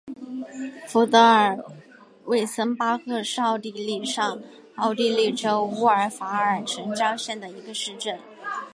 福德尔魏森巴赫是奥地利上奥地利州乌尔法尔城郊县的一个市镇。